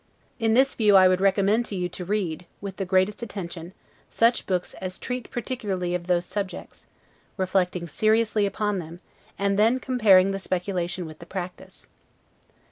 In this view I would recommend to you to read, with the greatest attention, such books as treat particularly of those subjects; reflecting seriously upon them, and then comparing the speculation with the practice.